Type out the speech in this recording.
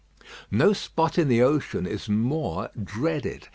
No spot in the ocean is more dreaded.